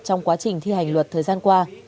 trong quá trình thi hành luật thời gian qua